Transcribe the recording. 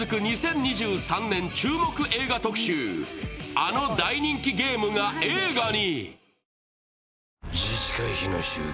あの大人気ゲームが映画に！